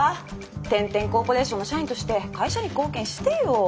天・天コーポレーションの社員として会社に貢献してよ。